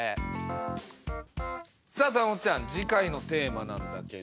さあ豊本ちゃん次回のテーマなんだけど。